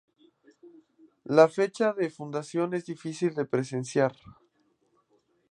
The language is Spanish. La fecha de fundación es difícil de precisar.